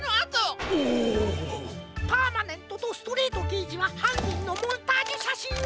パーマネントとストレートけいじははんにんのモンタージュしゃしんを！